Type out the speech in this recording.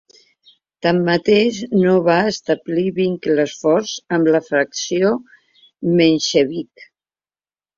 Tanmateix, no va establir vincles forts amb la facció menxevic.